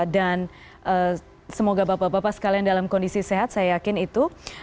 dan semoga bapak bapak sekalian dalam kondisi sehat saya yakin itu